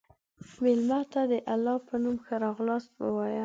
مېلمه ته د الله په نوم ښه راغلاست ووایه.